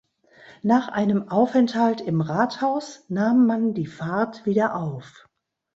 Nach einem Aufenthalt im Rathaus nahm man die Fahrt wieder auf.